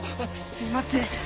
すいません。